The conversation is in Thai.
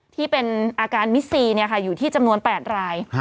ที่เป็นอาการมิสซีอยู่ที่จำนวน๘ราย